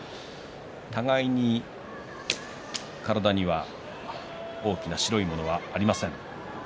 互いに体には大きな白いものはありません。